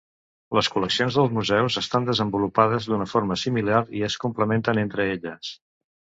Les col·leccions dels museus estan desenvolupades d'una forma similar i es complementen entre elles.